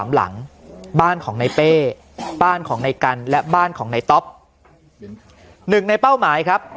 หนึ่งในเป้าหมายครับ